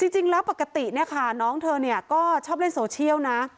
จริงแล้วปกติเนี่ยค่ะน้องเธอเนี่ยก็ชอบเล่นโซเชียลนะ